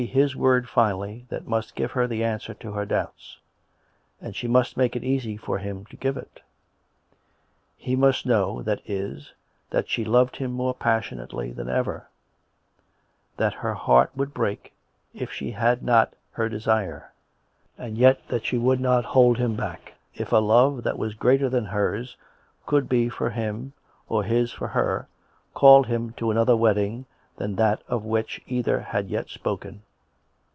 his word finally that must give her the answer to her doubts; and she must make it easy for him to give it. He must know, that is, that she loved him more passion ately than ever, that her heart would break if she had not her desire; and yet that she would not hold him back if a love that was greater than hers could be for him or his for her, called him to another wedding than that of which either had yet spoken.